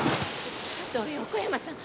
ちょっと横山さん！